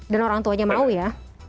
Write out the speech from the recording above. dan orang tuanya mau ya